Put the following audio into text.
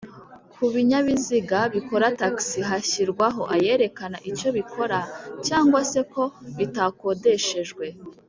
kubinyabiziga bikora taxi hashyirwaho ayerekana icyo bikora cg se ko bitakodeshejwe